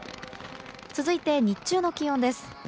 続いて日中の気温です。